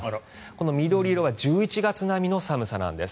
この緑色は１１月並みの寒さなんです。